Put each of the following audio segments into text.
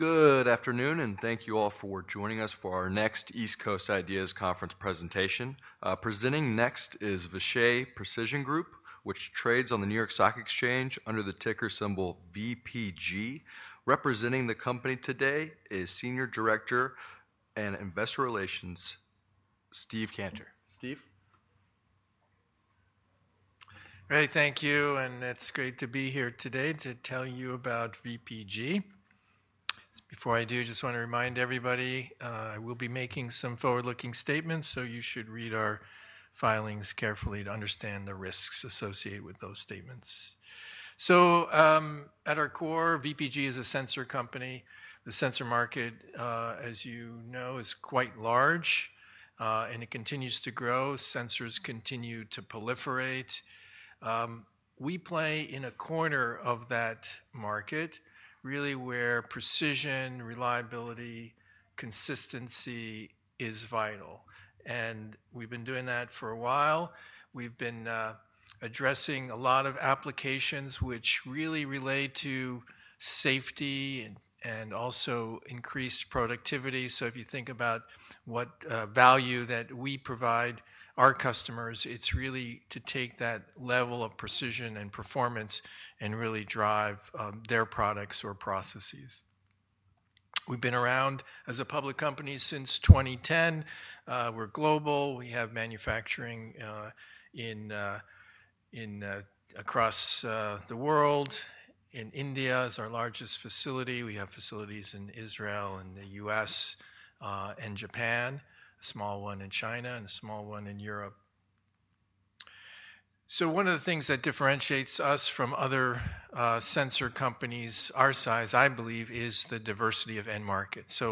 Good afternoon, and thank you all for joining us for our next East Coast Ideas Conference presentation. Presenting next is Vishay Precision Group, which trades on the New York Stock Exchange under the ticker symbol VPG. Representing the company today is Senior Director of Investor Relations Steve Cantor. Steve? All right, thank you, and it's great to be here today to tell you about VPG. Before I do, I just want to remind everybody I will be making some forward-looking statements, so you should read our filings carefully to understand the risks associated with those statements. At our core, VPG is a sensor company. The sensor market, as you know, is quite large, and it continues to grow. Sensors continue to proliferate. We play in a corner of that market, really, where precision, reliability, consistency is vital. We've been doing that for a while. We've been addressing a lot of applications which really relate to safety and also increased productivity. If you think about what value that we provide our customers, it's really to take that level of precision and performance and really drive their products or processes. We've been around as a public company since 2010. We're global. We have manufacturing across the world. In India is our largest facility. We have facilities in Israel, in the U.S., and Japan, a small one in China, and a small one in Europe. One of the things that differentiates us from other sensor companies our size, I believe, is the diversity of end markets.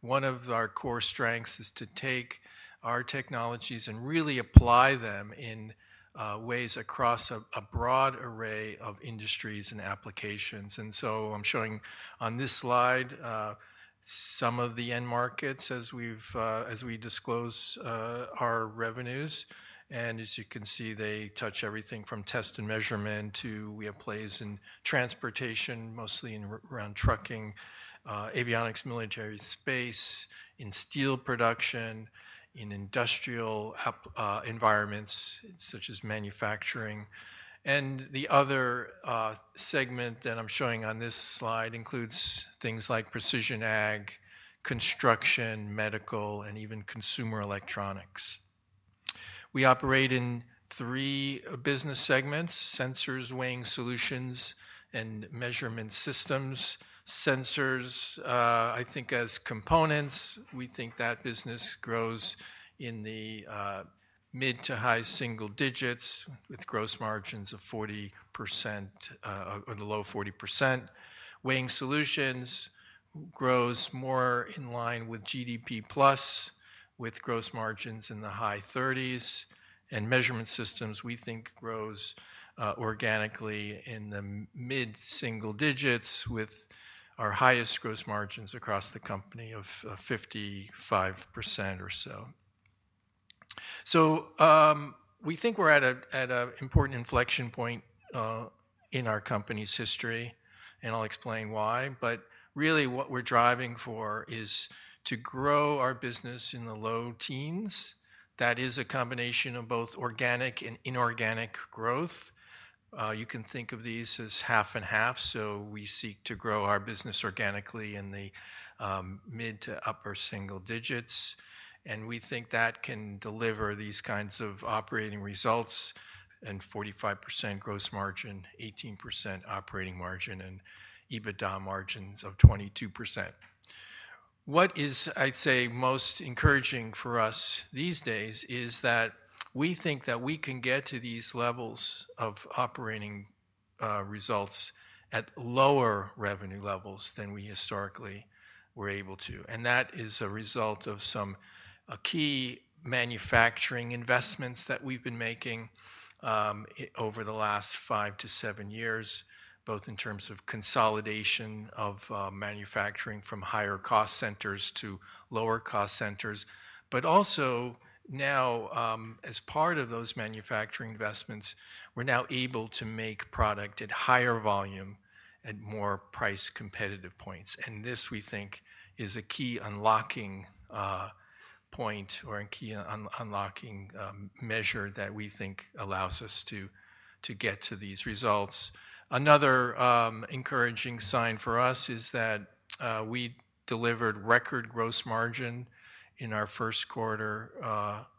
One of our core strengths is to take our technologies and really apply them in ways across a broad array of industries and applications. I'm showing on this slide some of the end markets as we disclose our revenues. As you can see, they touch everything from test and measurement to we have plays in transportation, mostly around trucking, avionics, military space, in steel production, in industrial environments such as manufacturing. The other segment that I'm showing on this slide includes things like precision ag, construction, medical, and even consumer electronics. We operate in three business segments: sensors, weighing solutions, and measurement systems. Sensors, I think, as components, we think that business grows in the mid to high single digits with gross margins of 40% or the low 40%. Weighing solutions grows more in line with GDP plus, with gross margins in the high 30s. Measurement systems, we think, grows organically in the mid single digits with our highest gross margins across the company of 55% or so. We think we're at an important inflection point in our company's history, and I'll explain why. What we're driving for is to grow our business in the low teens. That is a combination of both organic and inorganic growth. You can think of these as half and half. We seek to grow our business organically in the mid to upper single digits. We think that can deliver these kinds of operating results: 45% gross margin, 18% operating margin, and EBITDA margins of 22%. What is, I'd say, most encouraging for us these days is that we think that we can get to these levels of operating results at lower revenue levels than we historically were able to. That is a result of some key manufacturing investments that we've been making over the last 5 to 7 years, both in terms of consolidation of manufacturing from higher cost centers to lower cost centers. Also now, as part of those manufacturing investments, we're now able to make product at higher volume at more price competitive points. This, we think, is a key unlocking point or a key unlocking measure that we think allows us to get to these results. Another encouraging sign for us is that we delivered record gross margin in our first quarter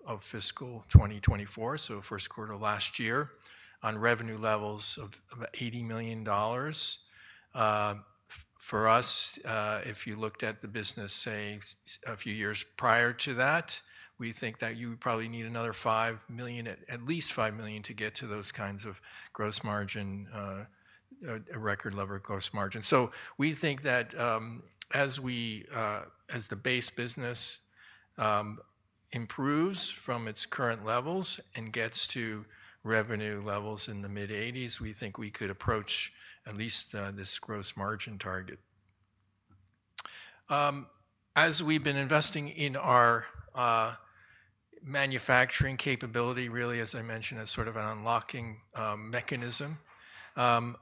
of fiscal 2024, so first quarter last year, on revenue levels of $80 million. For us, if you looked at the business, say, a few years prior to that, we think that you would probably need another $5 million, at least $5 million, to get to those kinds of gross margin, a record level of gross margin. We think that as the base business improves from its current levels and gets to revenue levels in the mid $80 million, we think we could approach at least this gross margin target. As we've been investing in our manufacturing capability, really, as I mentioned, as sort of an unlocking mechanism,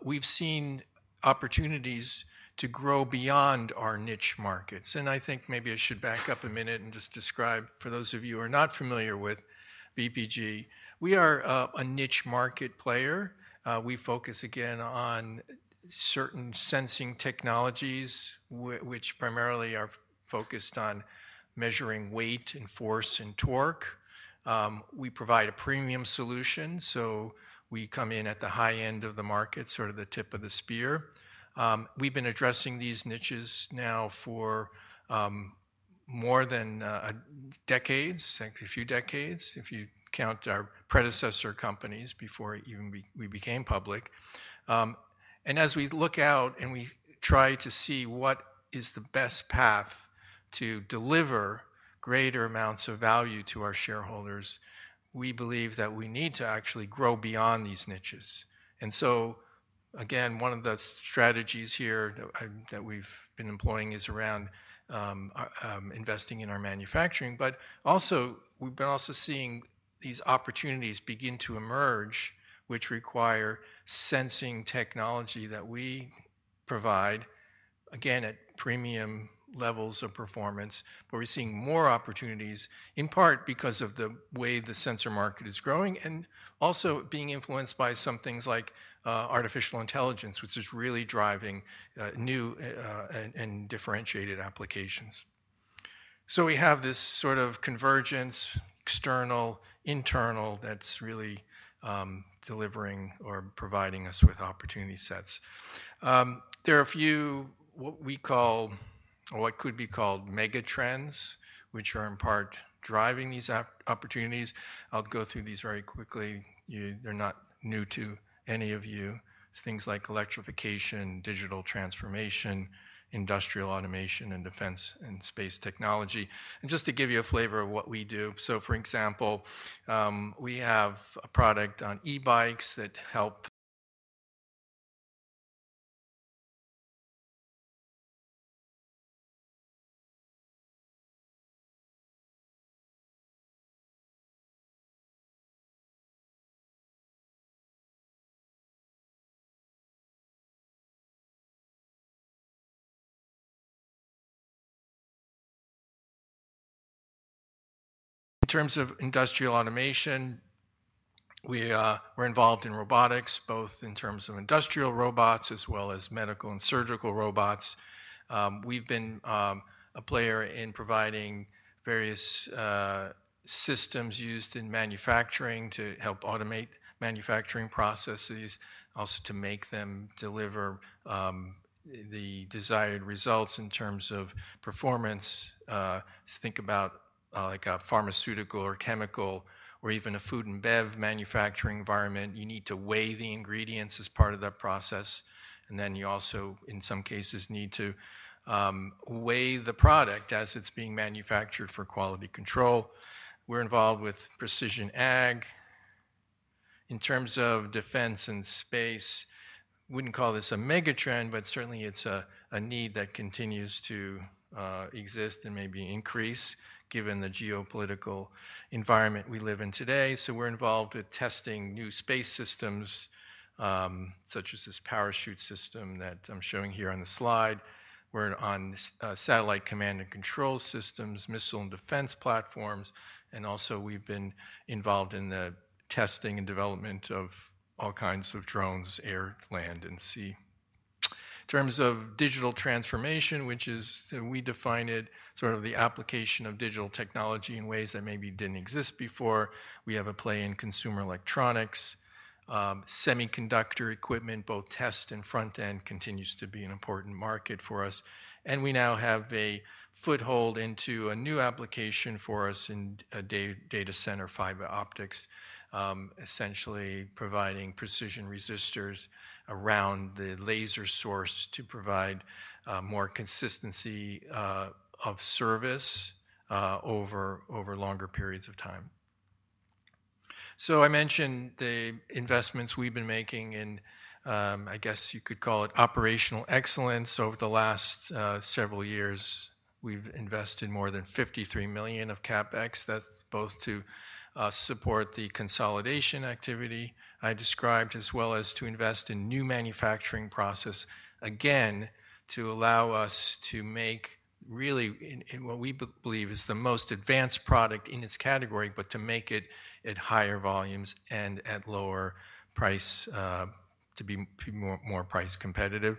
we've seen opportunities to grow beyond our niche markets. I think maybe I should back up a minute and just describe, for those of you who are not familiar with VPG, we are a niche market player. We focus, again, on certain sensing technologies, which primarily are focused on measuring weight and force and torque. We provide a premium solution, so we come in at the high end of the market, sort of the tip of the spear. We've been addressing these niches now for more than decades, a few decades, if you count our predecessor companies before even we became public. As we look out and we try to see what is the best path to deliver greater amounts of value to our shareholders, we believe that we need to actually grow beyond these niches. One of the strategies here that we've been employing is around investing in our manufacturing. We have also been seeing these opportunities begin to emerge, which require sensing technology that we provide, again, at premium levels of performance. We're seeing more opportunities, in part because of the way the sensor market is growing and also being influenced by some things like artificial intelligence, which is really driving new and differentiated applications. We have this sort of convergence, external, internal, that's really delivering or providing us with opportunity sets. There are a few what we call, or what could be called, mega trends, which are in part driving these opportunities. I'll go through these very quickly. They're not new to any of you. It's things like electrification, digital transformation, industrial automation, and defense and space technology. Just to give you a flavor of what we do, for example, we have a product on e-bikes that help. In terms of industrial automation, we're involved in robotics, both in terms of industrial robots as well as medical and surgical robots. We've been a player in providing various systems used in manufacturing to help automate manufacturing processes, also to make them deliver the desired results in terms of performance. Think about like a pharmaceutical or chemical or even a food and bev manufacturing environment. You need to weigh the ingredients as part of that process. You also, in some cases, need to weigh the product as it's being manufactured for quality control. We're involved with precision ag. In terms of defense and space, I wouldn't call this a mega trend, but certainly it's a need that continues to exist and maybe increase given the geopolitical environment we live in today. We're involved with testing new space systems such as this parachute system that I'm showing here on the slide. We're on satellite command and control systems, missile and defense platforms. Also, we've been involved in the testing and development of all kinds of drones, air, land, and sea. In terms of digital transformation, which is, we define it sort of the application of digital technology in ways that maybe didn't exist before. We have a play in consumer electronics, semiconductor equipment, both test and front end continues to be an important market for us. We now have a foothold into a new application for us in data center fiber optics, essentially providing precision resistors around the laser source to provide more consistency of service over longer periods of time. I mentioned the investments we've been making in, I guess you could call it, operational excellence. Over the last several years, we've invested more than $53 million of CapEx. That's both to support the consolidation activity I described, as well as to invest in new manufacturing process, again, to allow us to make really what we believe is the most advanced product in its category, but to make it at higher volumes and at lower price to be more price competitive.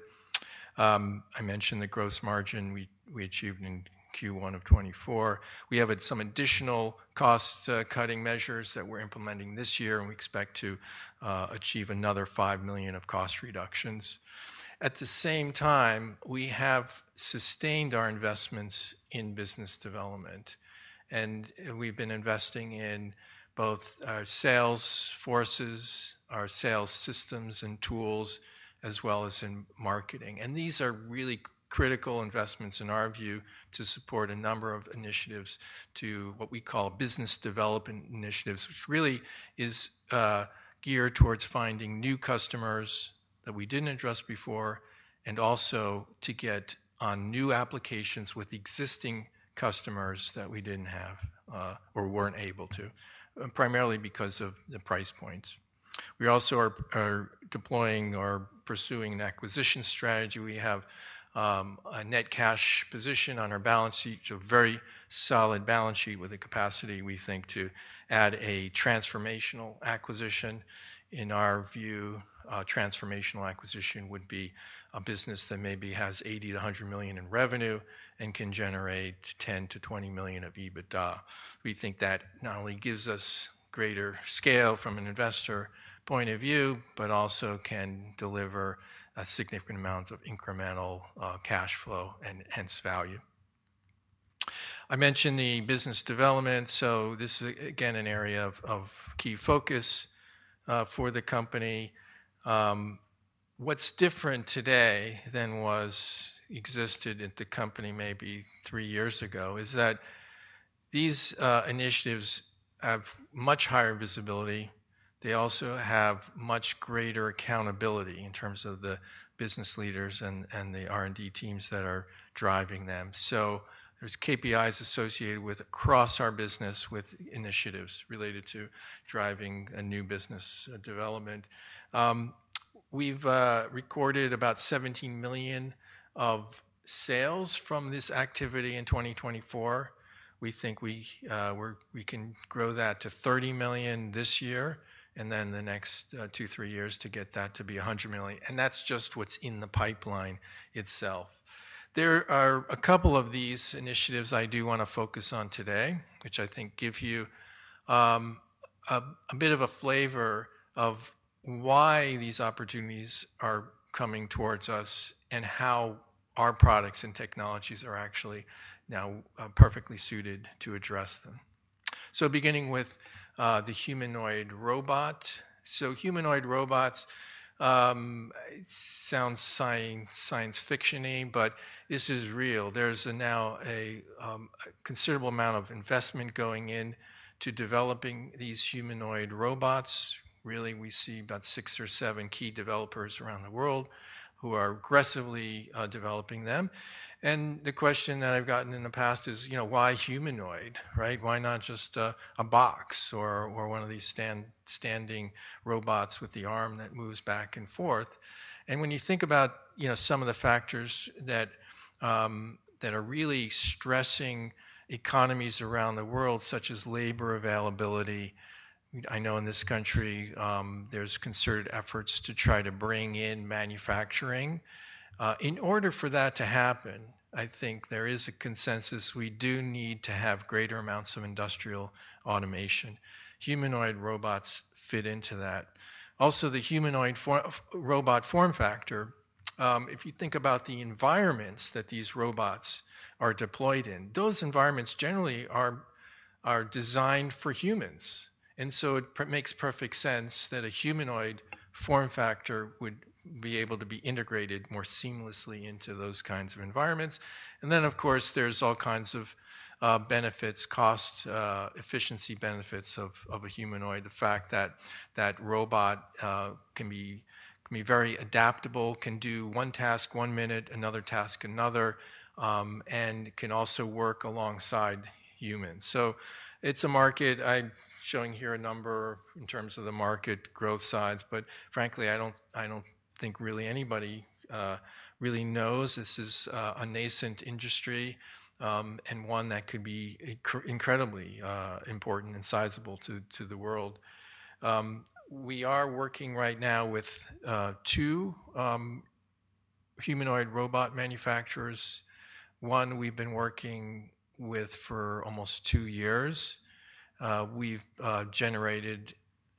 I mentioned the gross margin we achieved in Q1 of 2024. We have some additional cost-cutting measures that we're implementing this year, and we expect to achieve another $5 million of cost reductions. At the same time, we have sustained our investments in business development. We've been investing in both our sales forces, our sales systems and tools, as well as in marketing. These are really critical investments in our view to support a number of initiatives, what we call business development initiatives, which really is geared towards finding new customers that we didn't address before and also to get on new applications with existing customers that we didn't have or weren't able to, primarily because of the price points. We also are deploying or pursuing an acquisition strategy. We have a net cash position on our balance sheet, a very solid balance sheet with a capacity, we think, to add a transformational acquisition. In our view, transformational acquisition would be a business that maybe has $80 million-$100 million in revenue and can generate $10 million-$20 million of EBITDA. We think that not only gives us greater scale from an investor point of view, but also can deliver a significant amount of incremental cash flow and hence value. I mentioned the business development. This is, again, an area of key focus for the company. What's different today than was existed at the company maybe three years ago is that these initiatives have much higher visibility. They also have much greater accountability in terms of the business leaders and the R&D teams that are driving them. There are KPIs associated with across our business with initiatives related to driving a new business development. We've recorded about $17 million of sales from this activity in 2024. We think we can grow that to $30 million this year and then the next two, three years to get that to be $100 million. And that's just what's in the pipeline itself. There are a couple of these initiatives I do want to focus on today, which I think give you a bit of a flavor of why these opportunities are coming towards us and how our products and technologies are actually now perfectly suited to address them. Beginning with the humanoid robot. Humanoid robots sound science fictiony, but this is real. There's now a considerable amount of investment going into developing these humanoid robots. Really, we see about six or seven key developers around the world who are aggressively developing them. The question that I've gotten in the past is, you know, why humanoid, right? Why not just a box or one of these standing robots with the arm that moves back and forth? When you think about, you know, some of the factors that are really stressing economies around the world, such as labor availability, I know in this country there is concerted efforts to try to bring in manufacturing. In order for that to happen, I think there is a consensus. We do need to have greater amounts of industrial automation. Humanoid robots fit into that. Also, the humanoid robot form factor, if you think about the environments that these robots are deployed in, those environments generally are designed for humans. It makes perfect sense that a humanoid form factor would be able to be integrated more seamlessly into those kinds of environments. Of course, there are all kinds of benefits, cost, efficiency benefits of a humanoid, the fact that that robot can be very adaptable, can do one task one minute, another task another, and can also work alongside humans. It is a market. I am showing here a number in terms of the market growth size, but frankly, I do not think really anybody really knows. This is a nascent industry and one that could be incredibly important and sizable to the world. We are working right now with two humanoid robot manufacturers. One we have been working with for almost two years. We have generated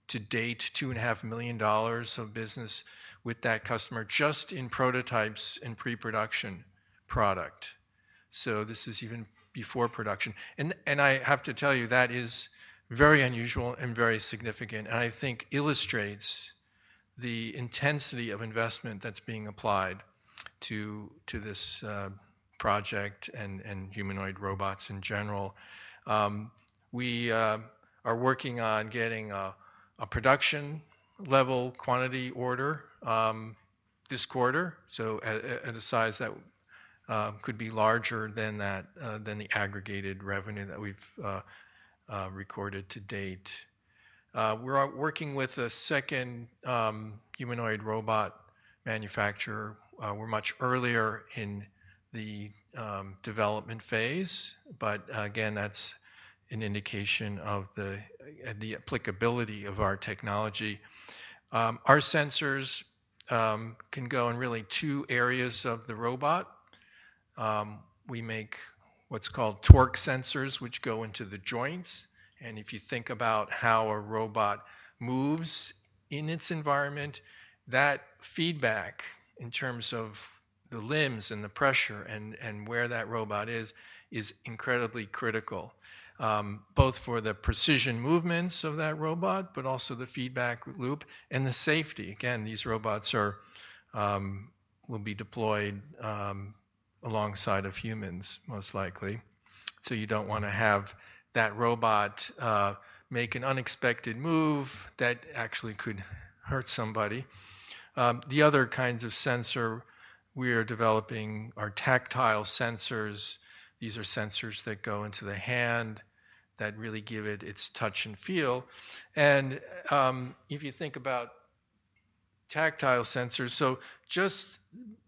to date $2.5 million of business with that customer just in prototypes and pre-production product. This is even before production. I have to tell you, that is very unusual and very significant, and I think illustrates the intensity of investment that's being applied to this project and humanoid robots in general. We are working on getting a production level quantity order this quarter, at a size that could be larger than the aggregated revenue that we've recorded to date. We're working with a second humanoid robot manufacturer. We're much earlier in the development phase, but again, that's an indication of the applicability of our technology. Our sensors can go in really two areas of the robot. We make what's called torque sensors, which go into the joints. If you think about how a robot moves in its environment, that feedback in terms of the limbs and the pressure and where that robot is, is incredibly critical, both for the precision movements of that robot, but also the feedback loop and the safety. Again, these robots will be deployed alongside of humans, most likely. You do not want to have that robot make an unexpected move that actually could hurt somebody. The other kinds of sensor we are developing are tactile sensors. These are sensors that go into the hand that really give it its touch and feel. If you think about tactile sensors, just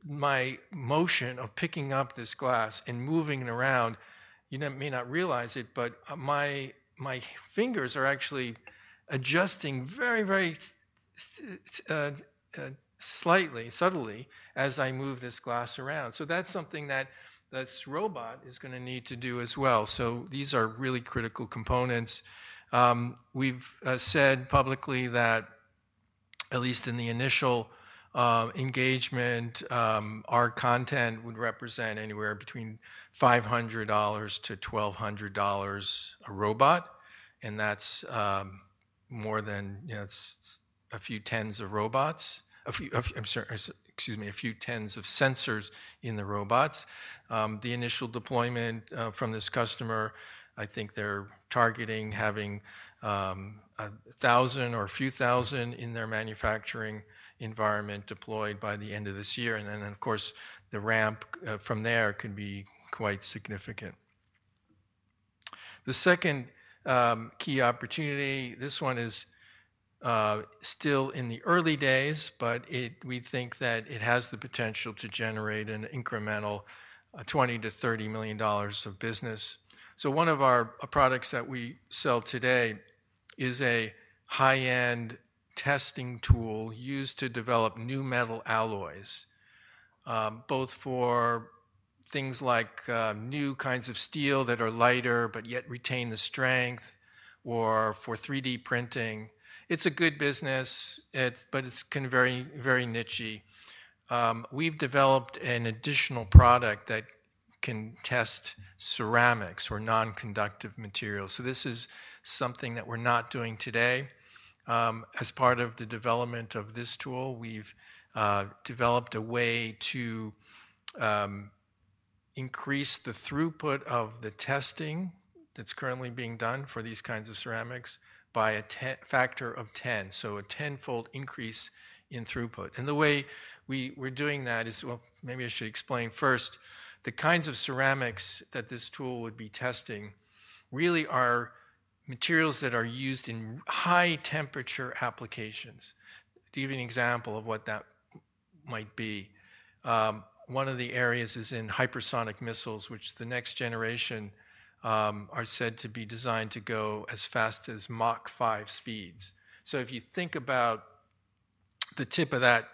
my motion of picking up this glass and moving it around, you may not realize it, but my fingers are actually adjusting very, very slightly, subtly as I move this glass around. That's something that this robot is going to need to do as well. These are really critical components. We've said publicly that at least in the initial engagement, our content would represent anywhere between $500-$1,200 a robot. That's more than a few tens of sensors in the robots. The initial deployment from this customer, I think they're targeting having 1,000 or a few thousand in their manufacturing environment deployed by the end of this year. Of course, the ramp from there can be quite significant. The second key opportunity, this one is still in the early days, but we think that it has the potential to generate an incremental $20-$30 million of business. One of our products that we sell today is a high-end testing tool used to develop new metal alloys, both for things like new kinds of steel that are lighter, but yet retain the strength, or for 3D printing. It's a good business, but it's very, very niche. We've developed an additional product that can test ceramics or non-conductive materials. This is something that we're not doing today. As part of the development of this tool, we've developed a way to increase the throughput of the testing that's currently being done for these kinds of ceramics by a factor of 10, so a tenfold increase in throughput. The way we're doing that is, maybe I should explain first, the kinds of ceramics that this tool would be testing really are materials that are used in high temperature applications. To give you an example of what that might be, one of the areas is in hypersonic missiles, which the next generation are said to be designed to go as fast as Mach 5 speeds. If you think about the tip of that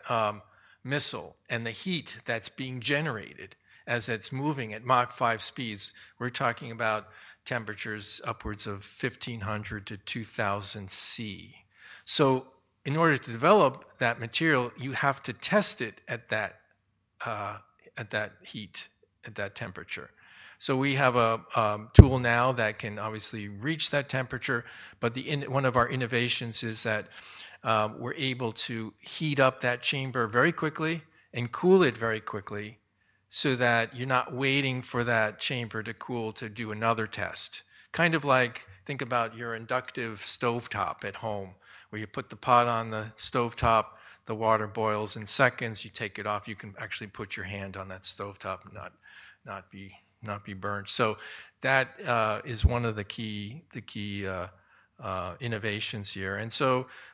missile and the heat that is being generated as it is moving at Mach 5 speeds, we are talking about temperatures upwards of 1,500-2,000 degrees Celsius. In order to develop that material, you have to test it at that heat, at that temperature. We have a tool now that can obviously reach that temperature, but one of our innovations is that we are able to heat up that chamber very quickly and cool it very quickly so that you are not waiting for that chamber to cool to do another test. Kind of like, think about your inductive stovetop at home where you put the pot on the stovetop, the water boils in seconds, you take it off, you can actually put your hand on that stovetop and not be burned. That is one of the key innovations here.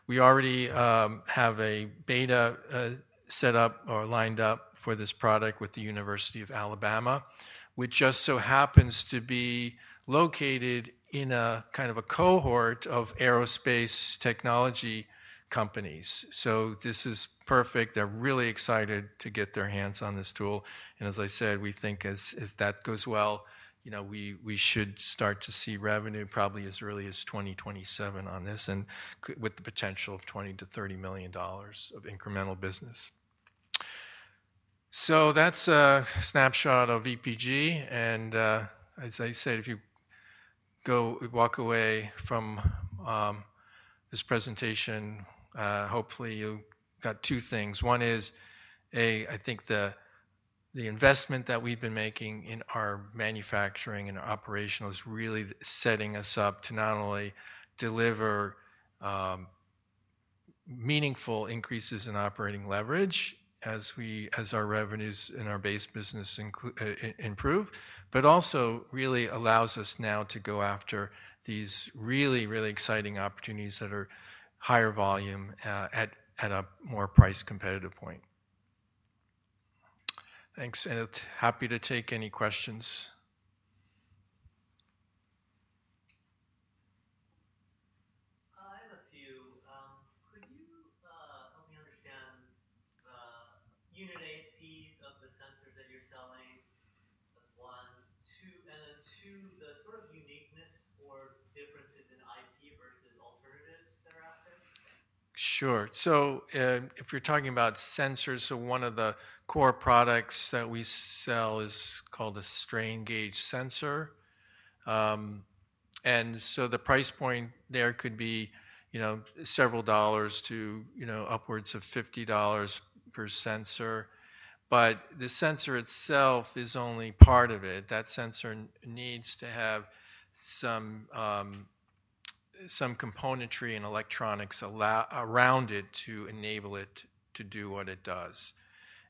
We already have a beta set up or lined up for this product with the University of Alabama, which just so happens to be located in a kind of a cohort of aerospace technology companies. This is perfect. They're really excited to get their hands on this tool. As I said, we think as that goes well, you know, we should start to see revenue probably as early as 2027 on this and with the potential of $20-$30 million of incremental business. That's a snapshot of VPG. As I said, if you walk away from this presentation, hopefully you got two things. One is, I think the investment that we've been making in our manufacturing and our operational is really setting us up to not only deliver meaningful increases in operating leverage as our revenues in our base business improve, but also really allows us now to go after these really, really exciting opportunities that are higher volume at a more price competitive point. Thanks. Happy to take any questions. I have a few. Could you help me understand the unit ASPs of the sensors that you're selling? That's one. Two, the sort of uniqueness or differences in IP versus alternatives that are out there? Sure. If you're talking about sensors, one of the core products that we sell is called a strain gauge sensor. The price point there could be several dollars to upwards of $50 per sensor. The sensor itself is only part of it. That sensor needs to have some componentry and electronics around it to enable it to do what it does.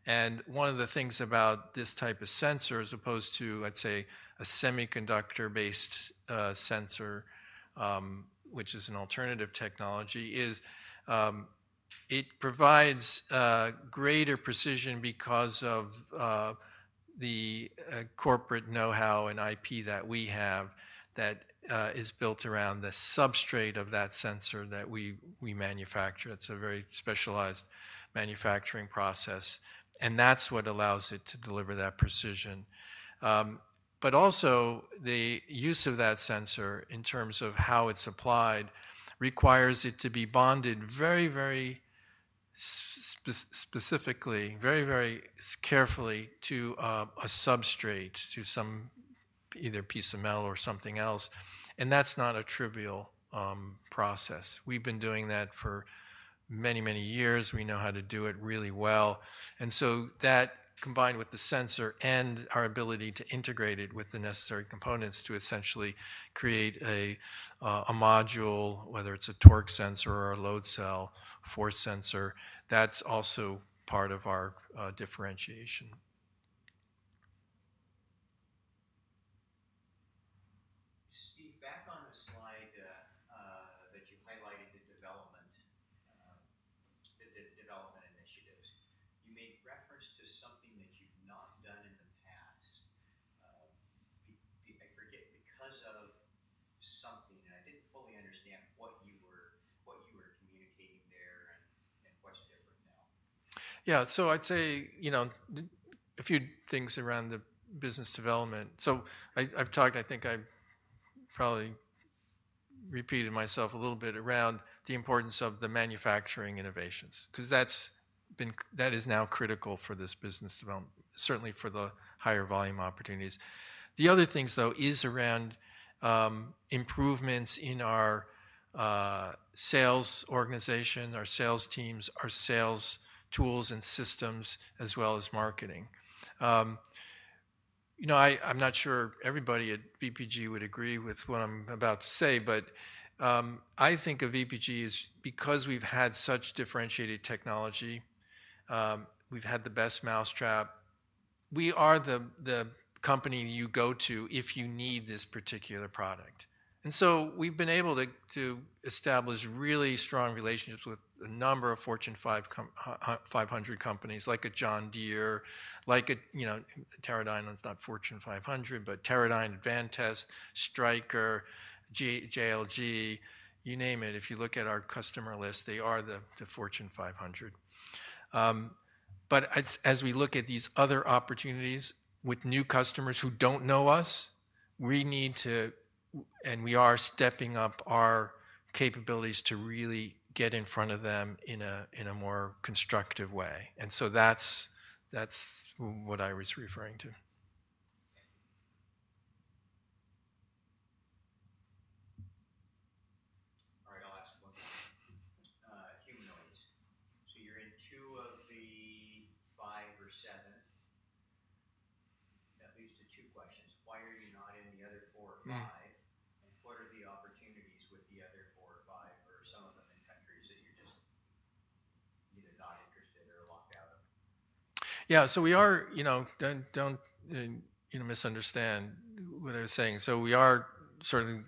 One of the things about this type of sensor, as opposed to, let's say, a semiconductor-based sensor, which is an alternative technology, is it provides greater precision because of the corporate know-how and IP that we have that is built around the substrate of that sensor that we manufacture. It's a very specialized manufacturing process. That is what allows it to deliver that precision. Also, the use of that sensor in terms of how it's applied requires it to be bonded very, very specifically, very, very carefully to a substrate, to some either piece of metal or something else. That's not a trivial process. We've been doing that for many, many years. We know how to do it really well. That combined with the sensor and our ability to integrate it with the necessary components to essentially create a module, whether it's a torque sensor or a load cell for sensor, that's also part of our differentiation. Steve, back on the slide that you highlighted the development initiatives, you made reference to something that you've not done in the past. I forget because of something. I didn't fully understand what you were communicating there and what's different now. Yeah. I'd say a few things around the business development. I've talked, I think I probably repeated myself a little bit around the importance of the manufacturing innovations, because that is now critical for this business development, certainly for the higher volume opportunities. The other things, though, are around improvements in our sales organization, our sales teams, our sales tools and systems, as well as marketing. You know, I'm not sure everybody at VPG would agree with what I'm about to say, but I think of VPG because we've had such differentiated technology. We've had the best mousetrap. We are the company you go to if you need this particular product. We've been able to establish really strong relationships with a number of Fortune 500 companies, like a John Deere, like a Teradyne. It's not Fortune 500, but Teradyne, Advantest, Stryker, JLG, you name it. If you look at our customer list, they are the Fortune 500. As we look at these other opportunities with new customers who do not know us, we need to, and we are stepping up our capabilities to really get in front of them in a more constructive way. That is what I was referring to. All right. I'll ask one question. Humanoid. So, you're in two of the five or seven, at least the two questions. Why are you not in the other four or five? And what are the opportunities with the other four or five or some of them in countries that you're just either not interested or locked out of? Yeah. We are, don't misunderstand what I was saying. We are certainly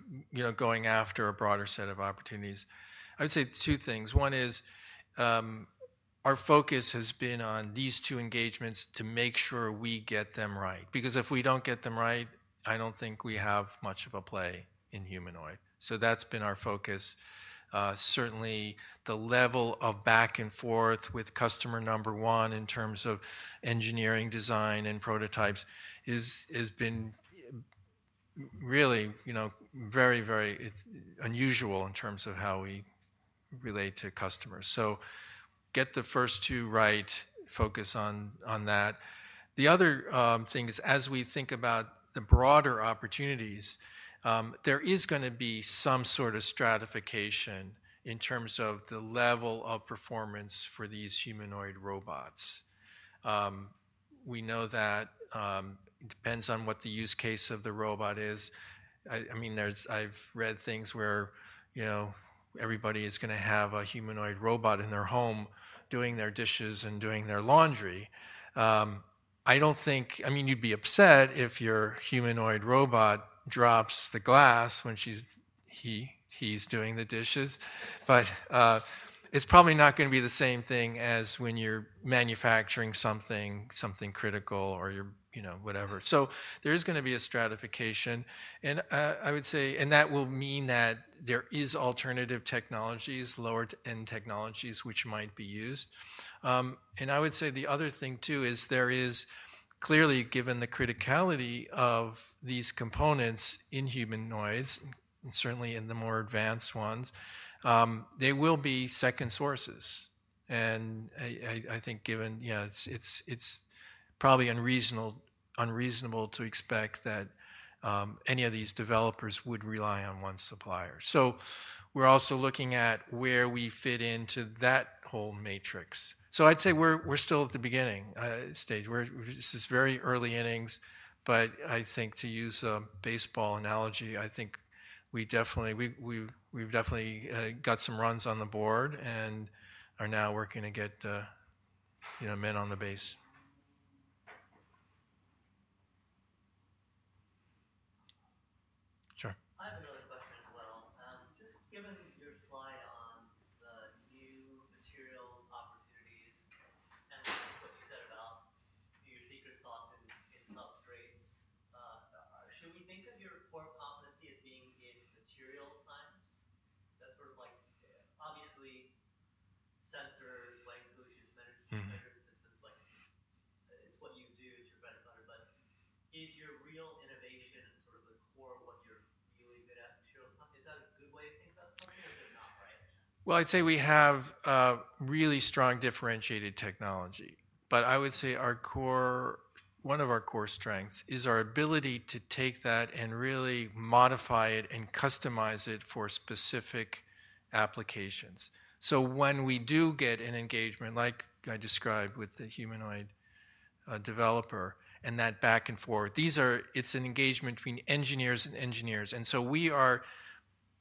going after a broader set of opportunities. I would say two things. One is our focus has been on these two engagements to make sure we get them right. Because if we don't get them right, I don't think we have much of a play in humanoid. That's been our focus. Certainly, the level of back and forth with customer number one in terms of engineering design and prototypes has been really very, very unusual in terms of how we relate to customers. Get the first two right, focus on that. The other thing is, as we think about the broader opportunities, there is going to be some sort of stratification in terms of the level of performance for these humanoid robots. We know that it depends on what the use case of the robot is. I mean, I've read things where everybody is going to have a humanoid robot in their home doing their dishes and doing their laundry. I don't think, I mean, you'd be upset if your humanoid robot drops the glass when he's doing the dishes, but it's probably not going to be the same thing as when you're manufacturing something critical or whatever. There is going to be a stratification. I would say that will mean that there are alternative technologies, lower-end technologies, which might be used. I would say the other thing too is there is clearly, given the criticality of these components in humanoids, and certainly in the more advanced ones, there will be second sources. I think given, yeah, it's probably unreasonable to expect that any of these developers would rely on one supplier. We are also looking at where we fit into that whole matrix. I'd say we're still at the beginning stage. This is very early innings, but I think to use a baseball analogy, we definitely got some runs on the board and are now working to get the men on the base.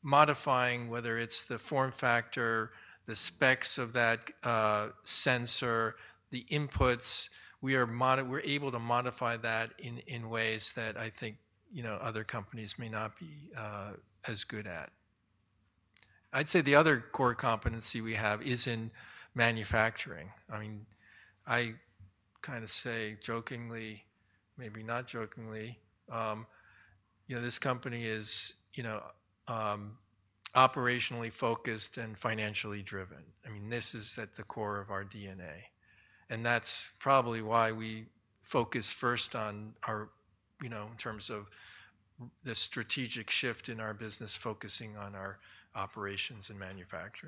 modifying whether it is the form factor, the specs of that sensor, the inputs. We are able to modify that in ways that I think other companies may not be as good at. I would say the other core competency we have is in manufacturing. I mean, I kind of say jokingly, maybe not jokingly, this company is operationally focused and financially driven. I mean, this is at the core of our DNA. That is probably why we focus first on our, in terms of the strategic shift in our business, focusing on our operations and manufacturing.